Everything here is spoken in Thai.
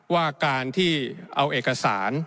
ว่าการที่เอาเอกสาร